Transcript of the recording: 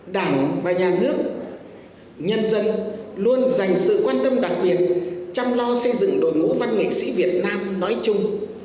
đảng và nhà nước nhân dân luôn dành sự quan tâm đặc biệt chăm lo xây dựng đội ngũ văn nghệ sĩ việt nam nói chung